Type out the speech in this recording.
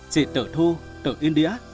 chị tự thu tự in đĩa